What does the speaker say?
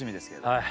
はい。